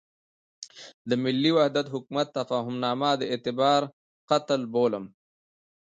د ملي وحدت حکومت تفاهمنامه د اعتبار قتل بولم.